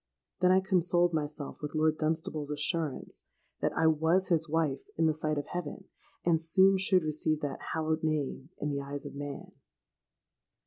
Then I consoled myself with Lord Dunstable's assurance that I was his wife in the sight of heaven, and soon should receive that hallowed name in the eyes of man.